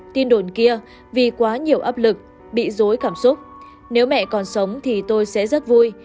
tin đồn kia vì quá nhiều áp lực bị dối cảm xúc nếu mẹ còn sống thì tôi sẽ rất vui